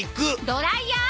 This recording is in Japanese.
ドライヤー！